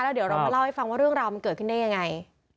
เดี๋ยวเรามาเล่าให้ฟังว่าเรื่องราวมันเกิดขึ้นได้ยังไง